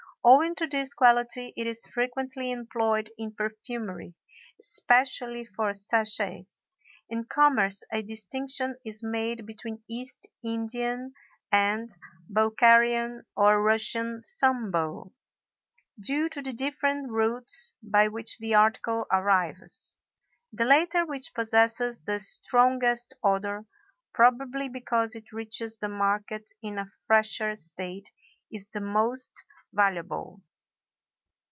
Owing to this quality it is frequently employed in perfumery, especially for sachets. In commerce a distinction is made between East Indian and Bokharian or Russian sumbul, due to the different routes by which the article arrives. The latter, which possesses the strongest odor, probably because it reaches the market in a fresher state, is the most valuable.